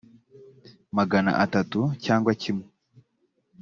magana atatu cyangwa kimwe